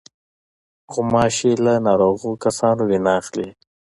غوماشې له ناروغو کسانو وینه اخلي.